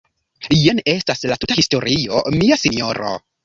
Jen estas la tuta historio, mia sinjoro.